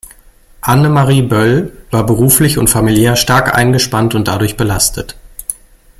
Annemarie Böll war beruflich und familiär stark eingespannt und dadurch belastet.